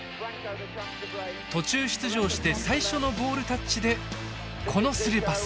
途中出場して最初のボールタッチでこのスルーパス。